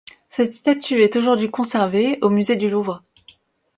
Cette statue est aujourd'hui conservée au Musée du Louvre.